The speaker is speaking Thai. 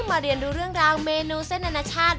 มาเรียนดูเรื่องราวเมนูเส้นอนาชาติ